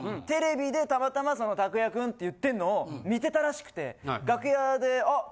テレビでたまたまその「拓哉くん」って言ってんのを見てたらしくて楽屋であ！